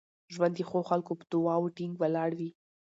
ژوند د ښو خلکو په دعاوو ټینګ ولاړ وي.